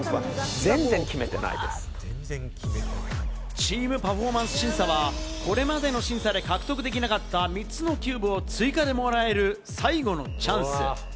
チーム・パフォーマンス審査は、これまでの審査で獲得できなかった３つのキューブを追加でもらえる最後のチャンス。